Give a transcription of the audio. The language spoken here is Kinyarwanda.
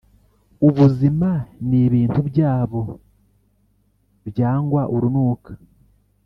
Ubuzima n ibintu byabo byangwa urunuka